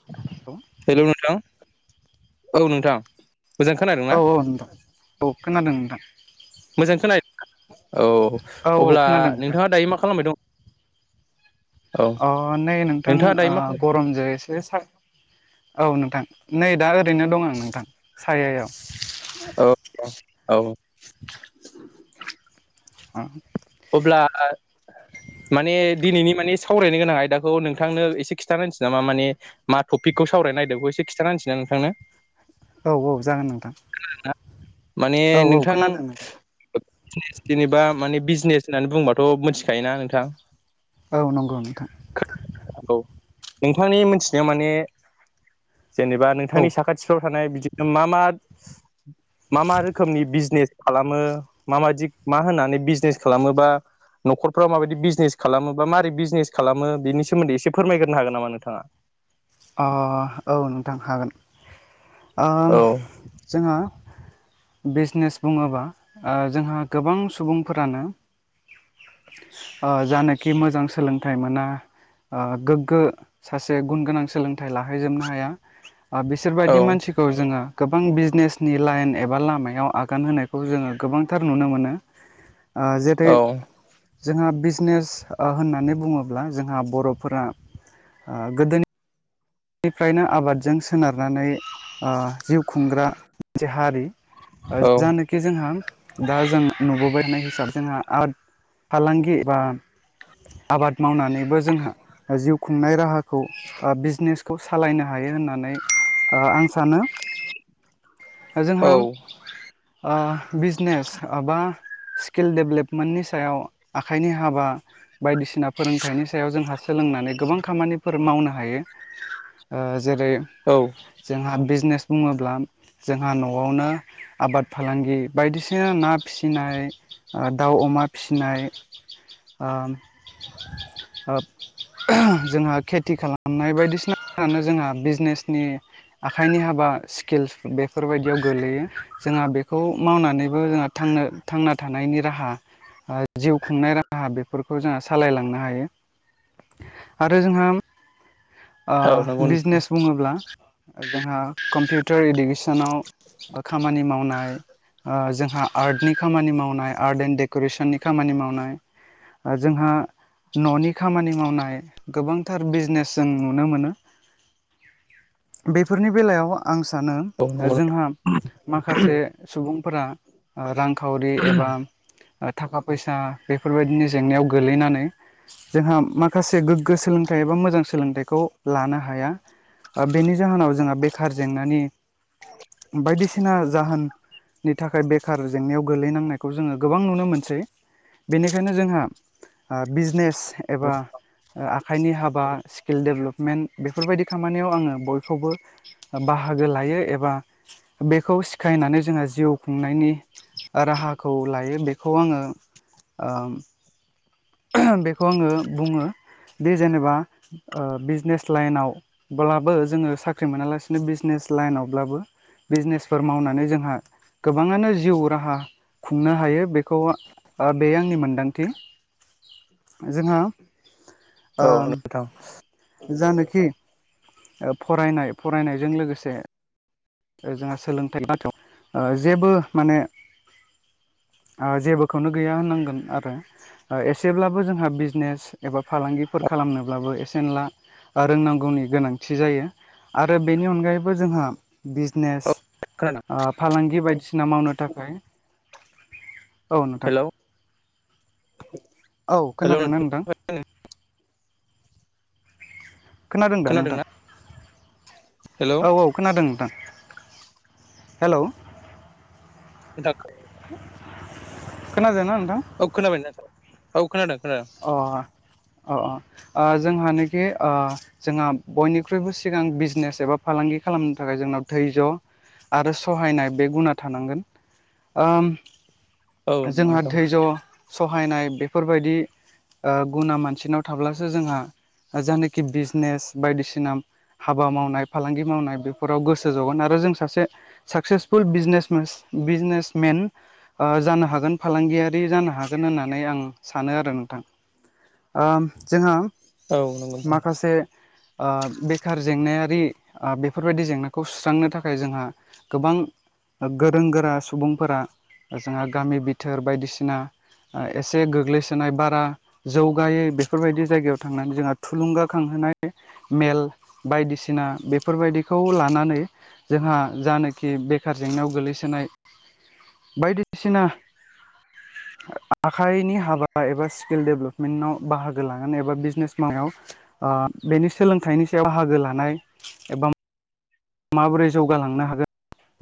[unintelligible] हेल' नोंथां औ नोंथां। मोजां खोनादोंना औ औ नोंथां औ खोनादों नोंथां। मोजां खोनाहैदोना औ अब्ला नोंथाङा दायो मा खालामबाय दं। औ अ नै नोंथां नोंथाङा दायो ओ मा खालाम गरमजों एसे सा औ नोंथां नै दा ओरैनो दं आं नोंथां सायायाव। ओ अ औ। आ अब्ला आ माने दिनैनि माने सावरायनो गोनां आयदाखौ नोंथांनो एसे खिथाना होनोसै नामा माने मा टपिकखौ सावरायनायदों बेखौ एसे खिथानाहोसै ना नोंथांनो। औ-औ जागोन नोंथां। खोनादों ना माने औ औ नोंथां खोनादों नोंथां जेनेबा माने बिजनेस होननानै बुंबाथ' मिथिखायोना नोंथां। औ नंगौ नोंथां। [unintelligible] ओ नोंथांनि मोनथिनायाव माने जेनेबा औ ओ नोंथांनि साखाथिफ्राव थानाय बिदिनो मा-मा मा मा रोखोमनि बिजनेस खालामो माबायदि मा होननानै बिजनेस खालामोबा न'खरफ्राव माबायदि बिजनेस खालामो बा माबारै बिजनेस खालामो बेनि सोमोन्दै एसे फोरमायग्रो हागोन नामा नोंथाङा। अ औ नोंथां हागोन। ओम औ जोंहा बिजनेस बुङोबा ओ जोंहा गोबां सुबुंफोरानो ओ जानोाखि मोजां सोलोंथाइ मोना आं गोग्गो सासे गुन गोनां सोलोंथाइ लाहैजोबनो हाया औ बिसोरबायदि मानसि खौ जोङो गोबां बिजनेसनि लाइन एबा लामायाव आगान होनायखौ जोङो गोबांथार नुनो मोनो। [inaudible] आं जेथै औ जोंहा बिजनेस ओ होननानै बुङोब्ला जोंहा बर'फोरा आ गोदोनि निफ्रायनो आबादजों सोनारनानै जिउ खुंग्रा मोनसे हारि। औ जानो जोंहा दा जों नुबोबाय थानाय हिसाबै जोंहा आर्ट फालांगि बा आबाद मावनानैबो जोंहा जिउ खुंनाय राहाखौ बिजनेस खौ सालायनो हायो होननानै ओ आं सानो। जोंहा औ आ बिजनेस ओ बा स्किल डेभेलपमेन्टनि सायाव आखाइनि हाबा बायदिसिना फोरोंथाइनि सायाव जोंहा सोलोंनानै गोबां खामानिफोर मावनो हायो। जेरै औ। जोंहा बिजनेस बुङोब्ला जोंहा न'आवनो आबाद फालांगि बायदिसिना ना फिसिनाय, दाउ, अमा फिसिनाय, आं ओब जोंहा खेथि खालामनाय बायदिसिनाफोरानो जोंहा बिजनेसनि आखाइनि हाबा स्किल्स बेफोरबायदियाव गोग्लैयो। जोंहा बेखौ मावनानैबो जोंहानो थांना थानायनि राहा जिउ खुंनाय रा हा बेफोरखौ जोंहा सालायलांनो हायो। आरो जोंहा औ नंगौ आं बिजनेस बुङोब्ला जोंहा कम्पिउटार इडुकेसनाव खामानि मावनाय आं जोंहा आर्टनि खामानि मावनाय आर्ट एन्ड डेक'रेसननि खामानि मावनाय। जोंहा न'नि खामानि मावनाय गोबांथार बिजनेस जों नुनो मोनो। बेफोरनि बेलायाव आं सानो औ नंगौ जोंहा। माखासे सुबुंफोरा रांखावरि एबा। थाखा फैसा बेफोरबायदिनि जेंनायाव गोगलैनानै जोंहा माखासे गोग्गो सोलोंथाइ एबा मोजां सोलोंथाइखौ लानो हाया। बेनि जाहोनाव जोंहा बेखार जेंनानि बायदिसिना जाहोन। नि थाखाय बेखार जेंनायाव गोलैनांनायखौ जोङो गोबां नुनो मोनसै। बेनिखायनो जोंहा ओ बिजनेस एबा आखाइनि हाबा स्किल दडेभेलपमेन्ट बेफोरबायदि खामानियाव आङो बयखौबो बाहागो लायो एबा बेखौ सिखायनानै जोंहा जिउ खुंनायनि राहाखौ लायो बेखौ आङो ओ बेखौ आङो बुङो बे जेनेबा बिजनेस लाइनावब्लाबो जोङो साख्रि मोनालासिनो बिजनेस लाइनावब्लाबो बिजनेसफोर मावनानै जोंहा गोबाङानो जिउ राहा खुंनो हायो बेखौ बे आंनि मोन्दांथि जोंहा औ ओ नोंथां जानोखि फरायनाय फरायनायजों लोगोसे जोंहा सोलोंथाइ बाथायाव जेबो माने आं जेबोखौनो गैया होननांगोन आरो। एसेब्लाबो जोंहा बिजनेस एबा फालांगिफोर खालामनोब्लाबो एसे एनला रोंनांगौनि गोनांथि जायो। आरो बेनि अनगायैबो जोंहा बिजनेस औ खोनादों आ फालांगि बायदिसिना मावनो थाखाय औ नोंथां हेलौ औ खोनादोंना नोंथां खोनादों दा नोंथां खोनादोंना हेलौ औ औ खोनादों नोंथां हेल'। [unintelligible] खोनदों ना नोंथां? औ खोनाबाय नोंथां औ खोनादों खोनादों। अ अ आं जोंहानिखि आ जोंहा बयनिख्रुइबो सिगां बिजनेस एबा फालांगि खालामनो थाखाय जोंनाव थैज' आरो सहायनाय बे गुना थानांगोन आम औ नंगौ जोंहा नोंथां धैज्य' सहायनाय बेफोरबायदि आ गुना मानसिनाव थाब्लासो जोंहा जायानखि बिजनेस बायदिसिना हाबा मावनाय फालांगि मावनाय बेफोराव गोसो जगोन आरो जों सासे सक्सेसफुलने बिजनेसमेन आ जानो हागोन फालांगियारि जानो हागोन होननानै आं सानो आरो नों थां आम जोंहा औ नंगौ नोंथां माखासे आ बेखार जेंनायारि बेफोरबायदि जेंनाखौ सुस्रांनो थाखाय जोंहा गोबां गोरों गोरा सुबुंफोरा जोंहा गामि बिथोर बायदिसिना एसे गोग्लैसोनाय बा आ जौगायो बेफोरबायदि जायगायाव थांनानै जोंहा थुलुंगाखांहोनाय मेल बायदिसिना बेफोरबायदिखौ लानानै जोंहा जानाखि बेखार जेंनायाव गोग्लैसोनाय बायदिसिना आखाइनि हाबा एबा स्किल डेभेलपमेन्टाव बाहागो लागोन एबा बिजनेस मायाव आ बेनि सोलोंथाइनि सायाव बाहागो लानाय एबा माबोरै जौगालांनो हागोन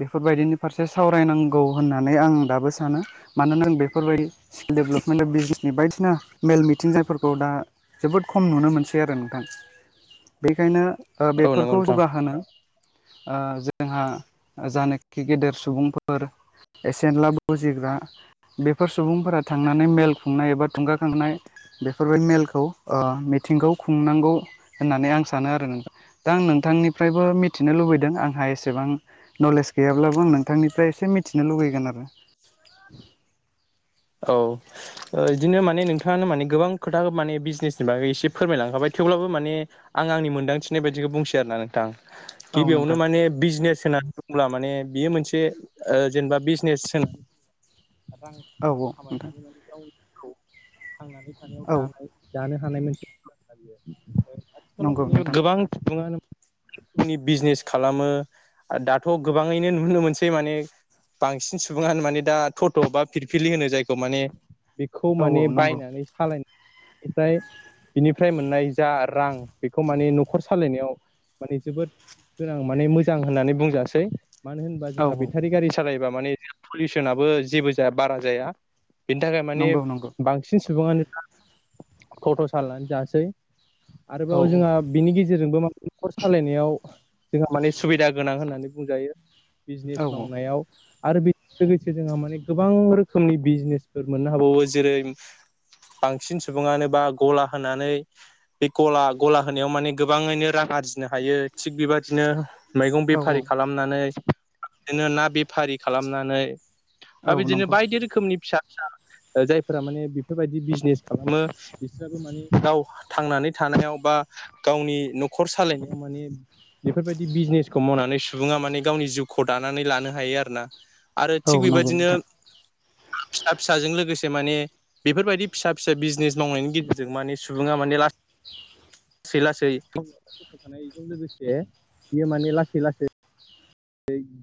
बेफोरबायदिनि फारसे सावरायनांगौ होननानै आं दाबो सानो मानोना आ बेफोरबायदि स्किल डेभलपमेन्ट बिजनेसनि बायदिसिना मेल मिथिं जायफोरखौ दा जोबोद खम नुनो मोनसै आरो नोंथां बेखायनो औ नंगौ बेफोरखौ नोंथां जौगाहोनो जोंहा जानाखि गेदेर सुबुंफोर एसेब्लाबो बुजिग्रा बेफोर सुबुंफोरा थांनानै मेल खुंनाय एबा थुंगाखांनाय बेफोरबायदि मेलखौ मिथिंखौ खुंनांगौ होननानै आं सानो आरो नों दा आं नोंथांनिफ्रायबो मि थिनो लुबैदों आंहा एसेबां नलेज गैयाब्लाबो आं नोंथांनिफ्राय एसे मिथिनो लुुबैगोन आरो औ ओ बिदिनो माने नोंथाङानो माने गोबां खोथा माने बिजनेसनि बागै एसे फोरमायलांखाबाय थेवब्लाबो माने आं आंनि मोन्दांथिनाय बायदिखौ बुंसै आरोना नोंथां औ नोंथां गिबियावनो माने बिजनेस सोनानै दंब्ला माने बियो मोनसे ओ जेनेबा बिजनेस होनानै औ रां औ नोंथां खामायनानै माने गावनिखौ थांनानै थानायाव औ दानाय जानो हानाय मोनसे बियो आथिखालाव नंगौ माने नोंथां गोबां सुबुङानो नि बिजनेस खालामो दाथ' गोबाङैनो नुनो मोनसै माने बांसिन सुबुङानो माने दा थटट' बा फिरफिलि होनो जायखौ माने बेखौ औ माने औ नंगौ बायनानै सालायनाय निफ्राय बिनिफ्राय मोननाय जा रां बेखौ माने न'खर सालायनायाव माने जोबोद गोनां माने मोजां होननानै बुंजासै मानो होनबा औ जोंहा औ बेटारि गारि सालायोबा माने जों पलिउसनाबो जेबो जाया बारा जाया बेनि थाखाय माने नंगौ नंगौ बांसिन सुबुङानो फट' सालनानै जासै औ आरोबाव जोंहा बिनि गेजेरजोंबो न'खर सालायनायाव जोंहा माने सुबिदा गोनां होननानै बुंजायो बिजनेस औ मावनायाव आरो बेजों लोगोसे जोंहा माने गोबां रोखोमनि बिजनेसफोर मोननो हाबावो जेरै बांसिन सुबुंङानो बा गला होनानै बे गला गला होनायाव माने गोबाङैनो रां आरजिनो हायो थिग बेबादिनो मैगं औ औ नंगौ बेफारि खालामनानै बिदिनो ना बेफारि खालामनानै दा औ बिदिनो बायदि रोखोमनि फिसा फिसा जायफोरा माने बेफोरबायदि बिजनेस खालामो बिाबो माने गाव थांनानै थानायाव बा गावनि न'खर सालायनायाव माने बेफोरबायदि बिजनेसखौ मावनानै सुंबुङा माने गावनि जिउखौ दानानै लानो हायो आरो ना आरो थिग नंगौ बेबायदिनो नोंथां फिसा फिसाजों लोगोसे माने बेफोरबायदि फिसा फिसा बिजनेस मावनायनि गेजेरजों माने सुबुंङा माने ला लासै लासै समनि फथ थानायजों लोगोसे बियो माने लासै लासै [unintelligible]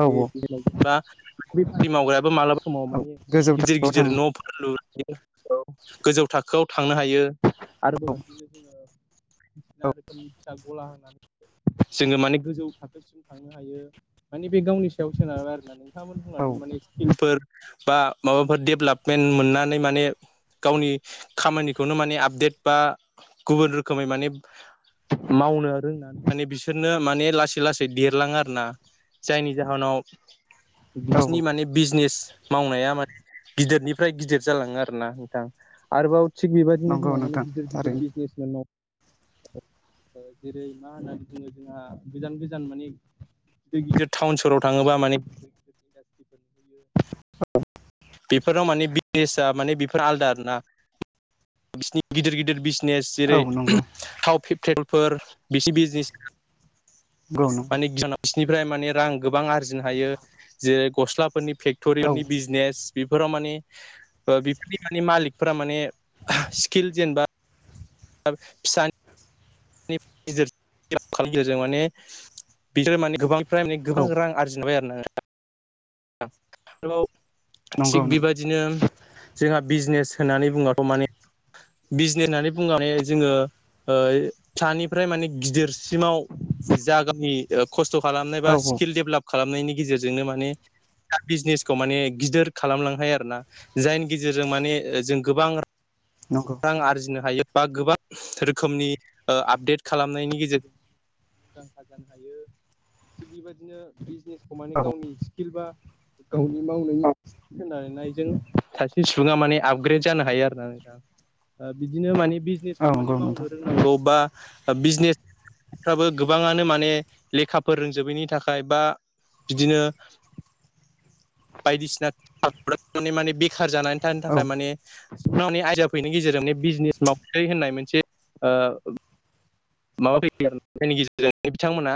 औ औ मावग्रायाबो मालाबा समाव औ माने गोजौ गिदिर थाखोआव गिदिर थाङो न लयो गोजौ थाखोआव थांनो हायो आरो बायदिसिना औ रोखोमनि फिसा गला होनानै जोंङो माने गोजौ थाखोसिम थांनो हायो माने बे गावनि सायाव सोनाराय आरो ना नोंथांमोना बुंना औ दं माने स्किलफोर बा माबाफोर डेभेलपमेन्ट मोननानै माने गावनि खामानिखौनो माने आपडेट बा गुबुन रोखोमै माने मावनो रोंनानै माने बिसोरनो माने लासै लासै देरलाङो आरो ना जायनि जाहोनाव बिसिनि औ माने बिजनेस मावनाया मे गिदिरनिफ्राय गिदिर जालांङो आरो ना नोंथां आरोबाव थिग बेबायदिनो नंगौ जोंहा माने नोंथां गिदिर गिदिर थारैनो बिजनेस जेरै मा होननानै बुंङो जोंहा गोजान गोजान माने गिदिर टाउन सहाव थांङोबा माने बेफोराव माने बेसआ माने बेफोर आलादा आर ना बिसिनि गिदिर गिदिर बिजनेस औ जेरै नंगौ थावेलफोर बिसिनि बिजनेस [unintelligible] नंगौ मानिक बिसोरनिफ्राय माने रां गोबां आरजिनो हायो जेरै गस्लाफोरनि औ फेक्टरिफोरनि बिजनेस बेफोराव माने बेफोरनि माने मालिकफोरा माने स्किल जेनेबा फिसानि गेजेरजों माने बिसोर माने गोबां फाइमानि औ गोबां रां आरजिनोबाय [unintelligible] आरो नोंङो थि नंगौ नों बेबाय बिदिनो जोंहा बिजनेस होननानै बुङाथ माने बिजनेस होननानै बुंनानै जोंङो फिसानिफ्राय माने गिदिरसिमाव जागि खस्थ खालामनाय औ बा औ स्किल डेभेलप खालामनायनि गेजेरजोंनो माने बिजनेसखौ माने गिदिर खालामलां हायो आरो ना जायनि गेजेरजों माने जों गोबां नंगौ रां आरजिनो हायो बा गोबां रोखोमनि आपडेट खालामनायनि गेजेरजों मुंदांखा जानो हायो थिग बेबायदिनो बिजनेसखौ मानिे औ गावनि स्किल बा गावनि मावनाय खोनानायजों सासे सुबुंङा माने आपग्रेड जानो हायो आरो ना नोंथां बिदिनो माने औ बिजनेसखौ मानिे नंगौ मावनो नोंथां रोंनांगौ बा बिजनेस फ्राबो गोबांङानो माने लेखाफोर रोंजोबैनि थाखाय बा बिदिनो बायदिसिना माने माने बेखार जानानै थानो औ थाखाय माने सिनि आयाफोरैनि गेजेरजोंनो बिजनेस मावै होननाय मोनसे माबा फैयो आरो जायनि गेजेरजों बिथांमोना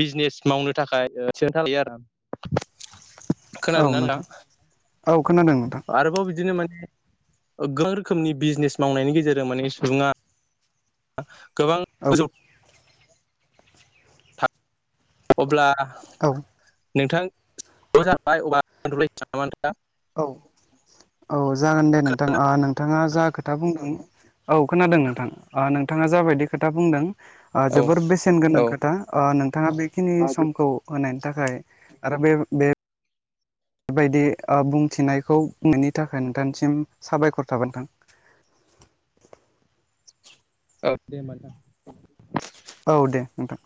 बिजनेस मावनो थाखाय सिरोनथा लायो आरो औ खोनादों ना होनां नोंथां औ खोनादों नोंथां आरोबाव बिदिनो माने गोबां रोखोमनि बिजिनेस मावनायनि गेजेर माने सुबुङा गोबां औ गोजौ अब्ला औ [unintelligible] औ औ जागोन दे नोंथां ओ नोंथाङा जा खोथा बुंदों औ खोनादों नोंथां ओ नोंथाङा जाबायदि खोथा बुंदों ओ औ जोबोर बेसेन गोनां औ खोथा ओ नोंथाङा बेखिनि समखौ होनायनि थाखाय आरो बे बे बेबायदि बुंथिनायखौ ननि थाखाय नोंथांसिम साबायखर थाबोनोंथां औ दे होनबा नोंथां औ दे नोंथां